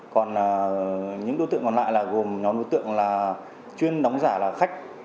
còn những đối tượng còn lại là gồm nhóm đối tượng là chuyên đóng giả là khách